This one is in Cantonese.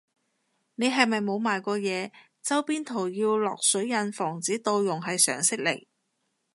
你係咪冇賣過嘢，周邊圖要落水印防止盜用係常識嚟